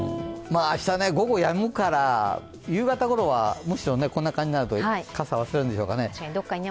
明日、午後やむから、夕方ごろは、むしろこんな感じになると傘を忘れるんでしょうかね。